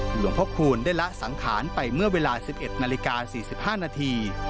หลวงพระคูณได้ละสังขารไปเมื่อเวลา๑๑นาฬิกา๔๕นาที